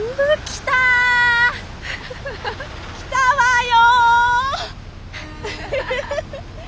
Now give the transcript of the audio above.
来たわよ！